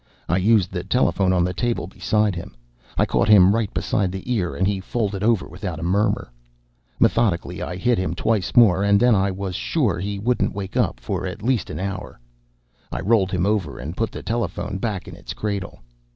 I used the telephone on the table beside him. I caught him right beside the ear and he folded over without a murmur. Methodically, I hit him twice more, and then I was sure he wouldn't wake up for at least an hour. I rolled him over and put the telephone back in its cradle.